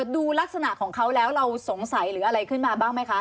ดูลักษณะของเขาแล้วเราสงสัยหรืออะไรขึ้นมาบ้างไหมคะ